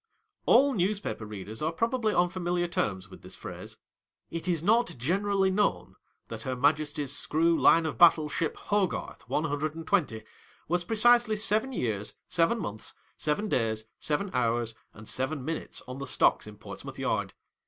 ALL newspaper readers are probably on familiar terms with this phrase. It is not generally known that her Majesty's screw line of battle ship HOGARTH, one hun dred and twenty, was precisely seven years, seven months, seven days, seven hours, and seven minutes, on the stocks in Ports mouth Yard.